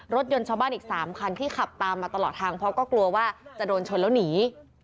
รถยนต์ชาวบ้านอีก๓คันที่ขับตามมาตลอดทางเพราะก็กลัวว่าจะโดนชนแล้วหนี